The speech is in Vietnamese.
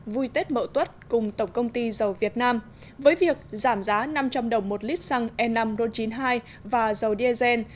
vui tết mậu tuất cùng tổng công ty dầu việt nam với việc giảm giá năm trăm linh đồng một lít xăng e năm ron chín mươi hai và dầu diesel